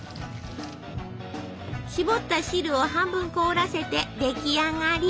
しぼった汁を半分凍らせて出来上がり！